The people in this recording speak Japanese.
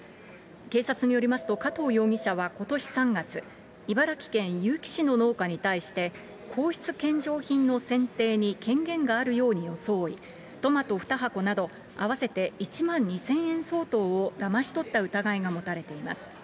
警察によりますと、加藤容疑者はことし３月、茨城県結城市の農家に対して、皇室献上品の選定に権限があるように装い、トマト２箱など、合わせて１万２０００円相当をだまし取った疑いが持たれています。